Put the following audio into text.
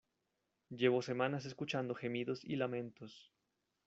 llevo semanas escuchando gemidos y lamentos